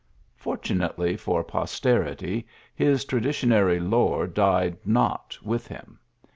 Fortunately for pos terity his traditionary lore died not with him.